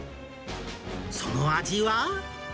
その味は？